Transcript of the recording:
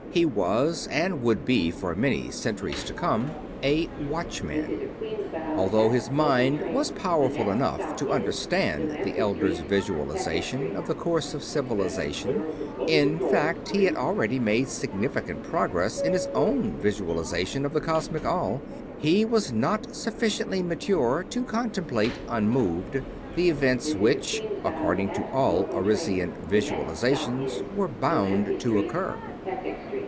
He was, and would be for many centuries to come, a Watchman. Although his mind was powerful enough to understand the Elders' visualization of the course of Civilization in fact, he had already made significant progress in his own visualization of the Cosmic All he was not sufficiently mature to contemplate unmoved the events which, according to all Arisian visualizations, were bound to occur.